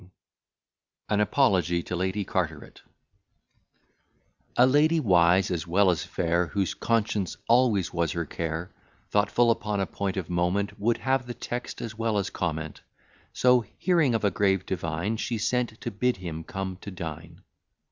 _ AN APOLOGY TO LADY CARTERET A lady, wise as well as fair, Whose conscience always was her care, Thoughtful upon a point of moment, Would have the text as well as comment: So hearing of a grave divine, She sent to bid him come to dine.